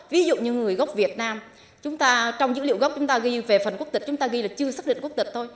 ví dụ như người gốc việt nam trong dữ liệu gốc chúng ta ghi về phần quốc tịch chúng ta ghi là chưa xác định quốc tịch thôi